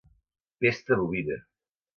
Pesta bovina